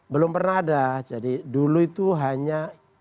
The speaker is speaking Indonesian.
belum pernah ada jadi dulu itu hanya